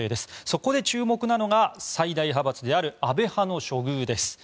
そこで注目なのが最大派閥である安倍派の処遇です。